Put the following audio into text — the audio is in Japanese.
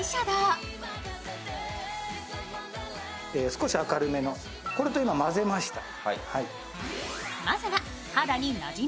少し明るめの色を混ぜました。